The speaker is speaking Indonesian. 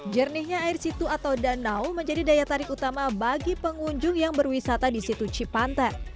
jernihnya air situ atau danau menjadi daya tarik utama bagi pengunjung yang berwisata di situ cipanten